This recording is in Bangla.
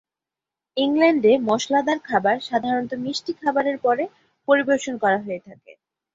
ইংল্যান্ডে মশলাদার খাবার সাধারণত মিষ্টি খাবারের পরে পরিবেশন করা হয়ে থাকে।